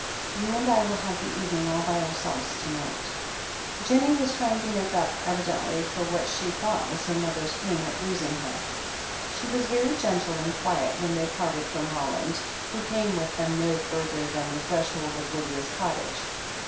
You and I will have the evening all by ourselves to night." Jennie was trying to make up, evidently, for what she thought was her mother's pain at losing her. She was very gentle and quiet when they parted from Roland, who came with them no further than the threshold of Lydia's cottage.